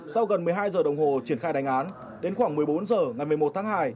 sau gần một mươi hai giờ đồng hồ triển khai đánh án đến khoảng một mươi bốn h ngày một mươi một tháng hai